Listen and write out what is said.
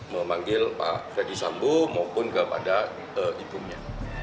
memanggil pak ferdis sambo maupun kepada ibunya